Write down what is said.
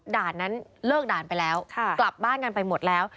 ด่านนั้นเลิกด่านไปแล้วกลับบ้านกันไปหมดแล้ว